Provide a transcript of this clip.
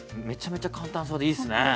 めちゃめちゃ簡単そうでいいっすね。